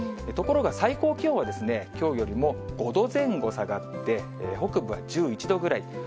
ところが最高気温は、きょうよりも５度前後下がって、北部は１１度ぐらい。